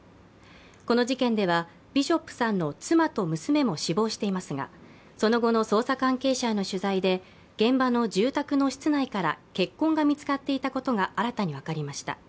この事件ではビショップさんの妻と娘も死亡していますが、その後の捜査関係者への取材で現場の住宅の室内から血痕が見つかっていたことが新たに分かりました。